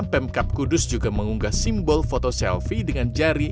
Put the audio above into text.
pemkap kudus juga mengunggah simbol foto selfie dengan jari